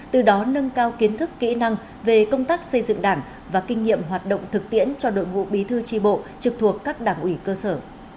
từ đó nâng cao kiến thức kỹ năng về công tác xây dựng đảng và kinh nghiệm hoạt động thực tiễn cho đội ngũ bí thư tri bộ trực thuộc các đảng ủy cơ sở